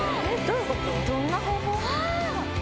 どんな方法？